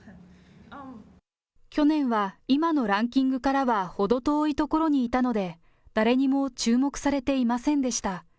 去年は今のランキングからは程遠いところにいたので、誰にも注目されていませんでした。